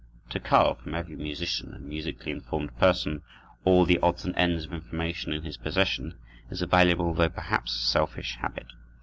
To cull from every musician and musically informed person all the odds and ends of information in his possession is a valuable, though perhaps selfish habit.